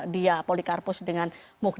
dia polikarpus dengan mugdala